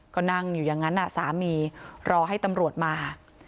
ก็นั่งอยู่อย่างนั้นสามีรอให้ตำรวจมา